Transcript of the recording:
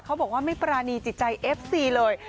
เขาบอกว่าไม่ปรานีจิตใจเอฟซีเลย